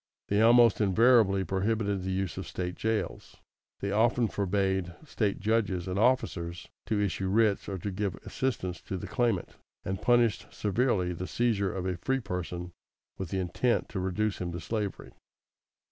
They almost invariably prohibited the use of State jails, they often forbade State judges and officers to issue writs or to give assistance to the claimant, and punished severely the seizure of a free person with the intent to reduce him to slavery.